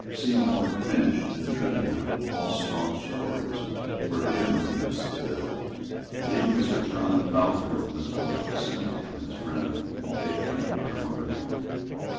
Seymour, Finch, and Tredenham, all stanch Tories, were vehement against the bill; and even Sir John Lowther on this point dissented from his friend and patron Caermarthen.